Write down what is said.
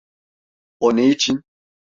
O ne için?